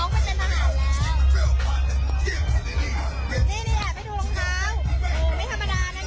อ่าออฟไวท์ออฟไวท์